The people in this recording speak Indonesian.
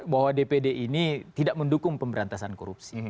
bahwa dpd ini tidak mendukung pemberantasan korupsi